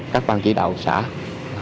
các bàn chỉ đạo xã